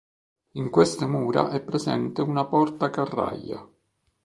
In queste mura è presente una porta carraia.